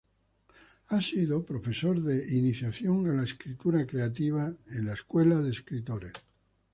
Ha sido profesor de "Iniciación a la escritura creativa" en la Escuela de Escritores.